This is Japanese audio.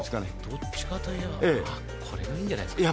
どっちかといえばこれがいいんじゃないですか？